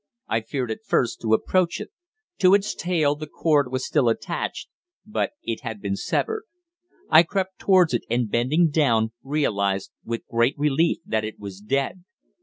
I feared at first to approach it. To its tail the cord was still attached, but it had been severed. I crept towards it, and, bending down, realized with great relief that it was dead.